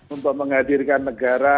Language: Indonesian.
untuk menghadirkan negara